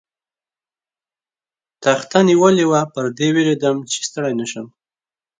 تخته نیولې وه، پر دې وېرېدم، چې ستړی نه شم.